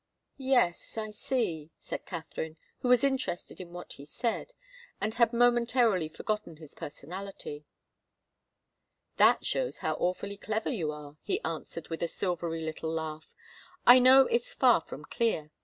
"Yes, I see," said Katharine, who was interested in what he said, and had momentarily forgotten his personality. "That shows how awfully clever you are," he answered with a silvery little laugh. "I know it's far from clear.